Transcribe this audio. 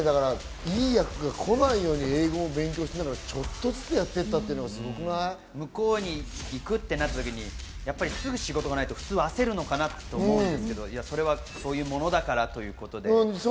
いい役が来ないように英語を勉強しながら、ちょっとずつやっていたっていう向こうに行くとなったときにすごい仕事がないと焦ると思うんですけれど、そういうものだからということで。